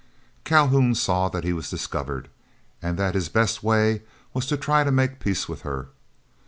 Calhoun saw that he was discovered, and that his best way was to try to make peace with her.